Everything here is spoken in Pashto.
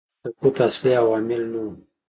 دا د سقوط اصلي عوامل نه وو